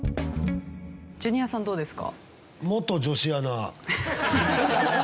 ジュニアさんどうですか？